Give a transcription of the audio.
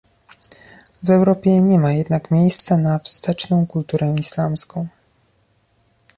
W Europie nie ma jednak miejsca na wsteczną kulturę islamską